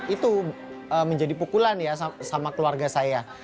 itu menjadi pukulan ya sama keluarga saya